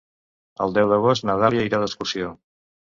El deu d'agost na Dàlia irà d'excursió.